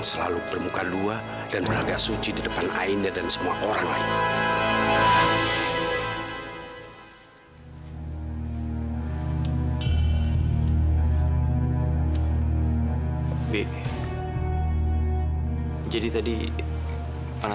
sampai jumpa di video selanjutnya